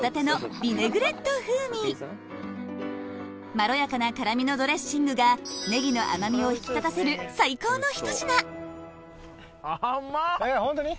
まろやかな辛みのドレッシングがを引き立たせる最高のひと品ホントに？